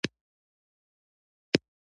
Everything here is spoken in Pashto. دوی اخلاقي تعالي تر لاسه کړي.